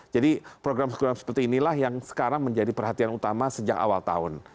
jadi program program seperti inilah yang sekarang menjadi perhatian utama sejak awal tahun